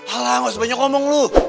alah gak usah banyak ngomong lo